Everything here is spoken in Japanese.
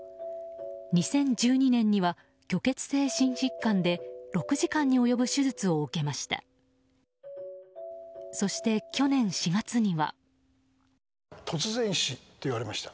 ２０１２年には虚血性心疾患で６時間に及ぶ手術を受けました。